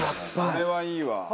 これはいいわ！